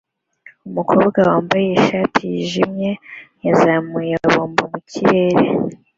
Umukobwa wambaye ishati yijimye yazamuye bombo mu kirere